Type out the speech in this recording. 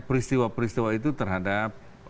peristiwa peristiwa itu terhadap